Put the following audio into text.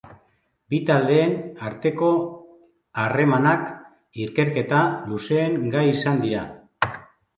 Bi taldeen arteko harremanak ikerketa luzeen gai izan dira.